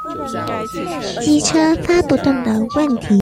機車發不動的問題